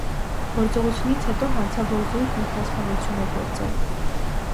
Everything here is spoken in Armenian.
Գործողությունից հետո հանցավոր զույգն ինքնասպանություն է գործել։